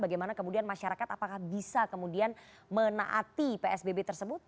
bagaimana kemudian masyarakat apakah bisa kemudian menaati psbb tersebut